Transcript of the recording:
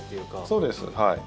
そうです。